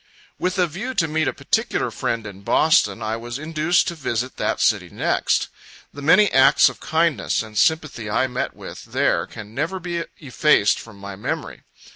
With a view to meet a particular friend in Boston, I was induced to visit that city next. The many acts of kindness and sympathy I met with there can never be effaced from my memory.